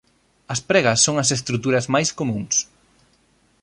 As pregas son as estruturas máis comúns.